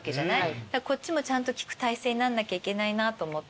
こっちもちゃんと聞く態勢になんなきゃいけないなと思って。